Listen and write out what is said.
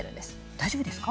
大丈夫ですか？